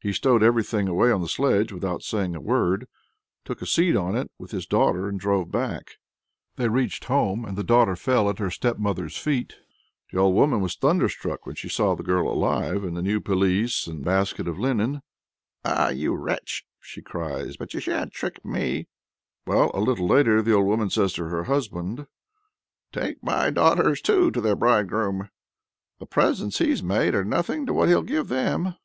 He stowed everything away on the sledge without saying a word, took his seat on it with his daughter, and drove back. They reached home, and the daughter fell at her stepmother's feet. The old woman was thunderstruck when she saw the girl alive, and the new pelisse and the basket of linen. "Ah, you wretch!" she cries. "But you shan't trick me!" Well, a little later the old woman says to her husband: "Take my daughters, too, to their bridegroom. The presents he's made are nothing to what he'll give them."